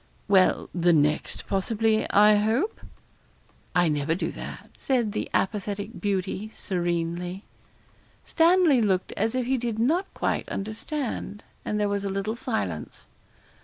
'Well, the next possibly, I hope?' 'I never do that,' said the apathetic beauty, serenely. Stanley looked as if he did not quite understand, and there was a little silence.